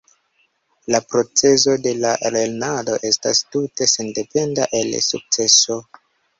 La procezo de lernado estas tute sendependa el sukceso.